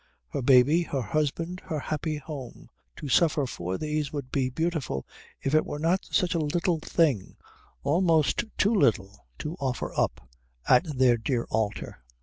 Her baby, her husband, her happy home to suffer for these would be beautiful if it were not such a little thing, almost too little to offer up at their dear altar.